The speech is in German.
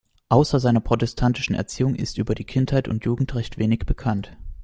Außer seiner protestantischen Erziehung ist über die Kindheit und Jugend recht wenig bekannt.